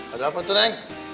ada apa tuh neng